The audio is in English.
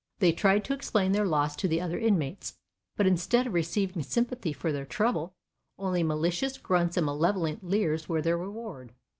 They tried to explain their loss to the other inmates, but instead of receiving sympathy for their trouble, only malicious grunts and malevolent leers were their reward.